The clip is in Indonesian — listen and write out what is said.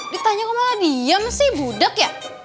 ditanya kok malah diem sih budak ya